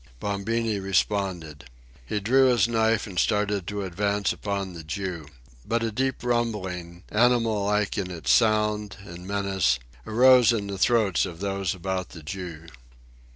Bombini responded. He drew his knife and started to advance upon the Jew. But a deep rumbling, animal like in its sound and menace, arose in the throats of those about the Jew.